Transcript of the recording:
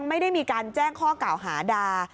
ไม่ได้มีการแจ้งข้อกล่าวหาดา